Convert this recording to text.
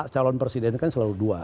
calon presiden kan selalu dua